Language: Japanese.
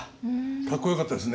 かっこよかったですね。